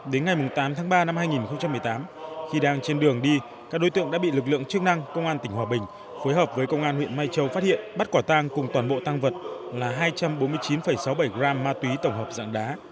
đến ngày tám tháng ba năm hai nghìn một mươi tám khi đang trên đường đi các đối tượng đã bị lực lượng chức năng công an tỉnh hòa bình phối hợp với công an huyện mai châu phát hiện bắt quả tang cùng toàn bộ tăng vật là hai trăm bốn mươi chín sáu mươi bảy gram ma túy tổng hợp dạng đá